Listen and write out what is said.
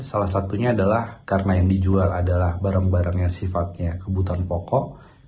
salah satunya adalah karena yang dijual adalah barang barang yang sifatnya kebutuhan pokok